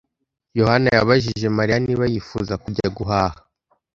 Yohana yabajije Mariya niba yifuza kujya guhaha.